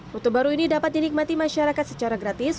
rute baru ini dapat dinikmati masyarakat secara gratis